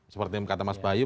seperti kata mas bayu